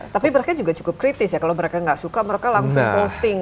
tapi mereka juga cukup kritis ya kalau mereka nggak suka mereka langsung posting